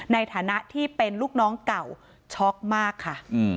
ในฐานะที่เป็นลูกน้องเก่าช็อกมากค่ะ